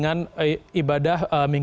dan kira kira fky juga ini